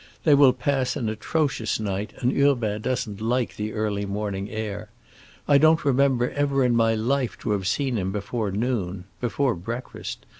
"They will pass an atrocious night, and Urbain doesn't like the early morning air. I don't remember ever in my life to have seen him before noon—before breakfast.